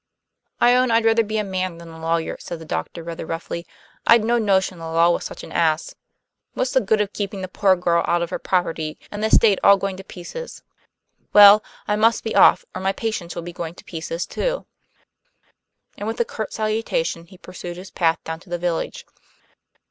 "I own I'd rather be a man than a lawyer," said the doctor, rather roughly. "I'd no notion the law was such an ass. What's the good of keeping the poor girl out of her property, and the estate all going to pieces? Well, I must be off, or my patients will be going to pieces too." And with a curt salutation he pursued his path down to the village.